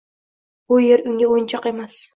Bu yer unga o'yinchok emas